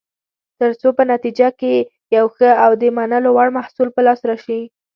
ترڅو په نتیجه کې یو ښه او د منلو وړ محصول په لاس راشي.